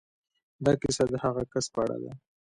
دا کيسه د هغه کس په اړه ده.